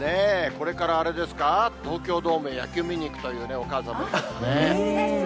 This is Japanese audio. これからあれですか、東京ドームへ野球を見に行くというお母さんもいますね。